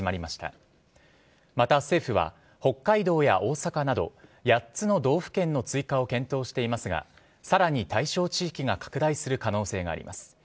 また、政府は北海道や大阪など８つの道府県の追加を検討していますがさらに対象地域が拡大する可能性があります。